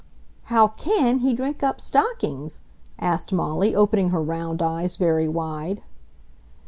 "How CAN he drink up stockings!" asked Molly, opening her round eyes very wide.